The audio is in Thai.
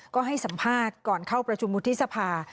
ก็ให้สัมภาษณ์ก่อนเข้าประชุมวุฒิสภา